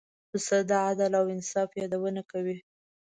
پسه د عدل او انصاف یادونه کوي.